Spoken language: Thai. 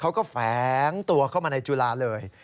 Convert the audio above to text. แฝงตัวเข้ามาในจุฬาเลย